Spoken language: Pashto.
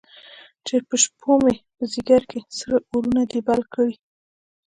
چې په شپومې، په ځیګر کې سره اورونه دي بل کړی